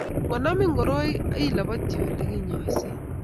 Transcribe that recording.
Ngonamin koroi akilobotyi Ole kinyoise,